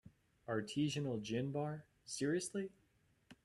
Artisanal gin bar, seriously?!